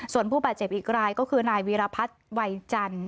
ส่วนผู้บาดเจ็บอีกรายก็คือนายวีรพัฒน์วัยจันทร์